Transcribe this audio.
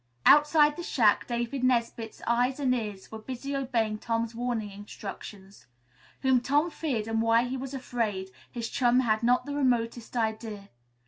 Outside the shack, David Nesbit's eyes and ears were busy obeying Tom's warning instructions. Whom Tom feared and why he was afraid, his chum had not the remotest idea.